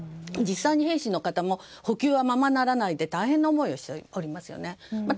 実際に兵士の方も補給がままならないで大変な思いをしていますよね。